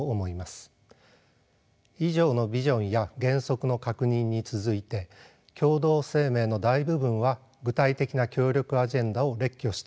以上のビジョンや原則の確認に続いて共同声明の大部分は具体的な協力アジェンダを列挙しています。